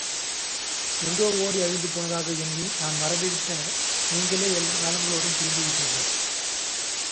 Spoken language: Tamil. எங்கோ ஓடி அழிந்து போனதாக எண்ணி நான் மறந்துவிட்ட நீங்களே, எல்லா நலங்களோடும் திரும்பி விட்டீர்கள்.